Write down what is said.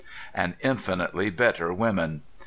And infinitely better women!